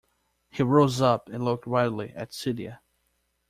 He rose up and looked wildly at Celia.